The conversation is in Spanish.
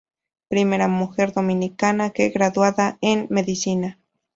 Primera mujer dominicana que graduada en Medicina.